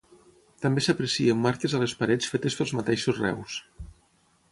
També s'aprecien marques a les parets fetes pels mateixos reus.